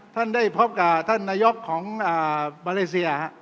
ท่านได้พบกับท่านนายกของมาเลเซีย